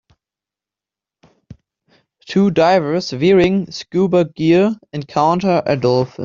Two divers, wearing scuba gear, encounter a dolphin.